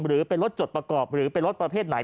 หรือเป็นรถจดประกอบหรือเป็นรถประเภทไหน